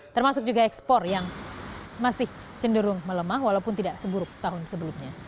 termasuk juga ekspor yang masih cenderung melemah walaupun tidak seburuk tahun sebelumnya